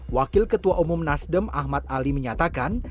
wakil ketua umum nasdem ahmad ali menyatakan